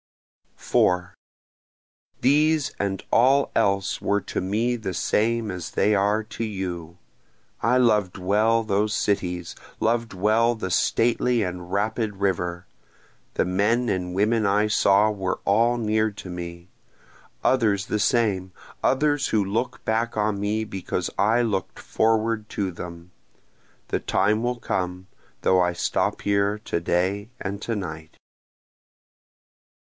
4 These and all else were to me the same as they are to you, I loved well those cities, loved well the stately and rapid river, The men and women I saw were all near to me, Others the same others who look back on me because I look'd forward to them, (The time will come, though I stop here to day and to night.)